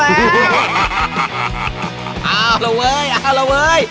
เอาล่ะเว้ยเอาล่ะเว้ย